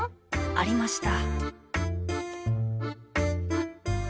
ありました！